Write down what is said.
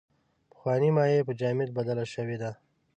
پخوانۍ مایع په جامد بدله شوې ده.